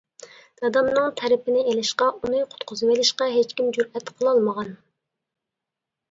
دادامنىڭ تەرىپىنى ئېلىشقا، ئۇنى قۇتقۇزۇۋېلىشقا ھېچكىم جۈرئەت قىلالمىغان.